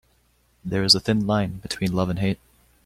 There is a thin line between love and hate.